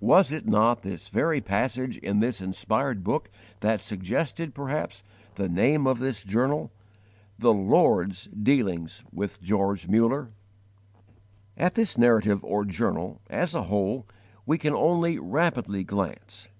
Was it not this very passage in this inspired book that suggested, perhaps, the name of this journal: "The Lord's dealings with George Muller"? At this narrative or journal, as a whole, we can only rapidly glance.